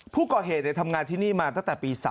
ผู้ก่อเหตุทำงานที่นี่มาตั้งแต่ปี๓